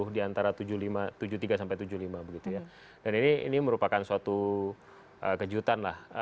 dan ini merupakan suatu kejutan lah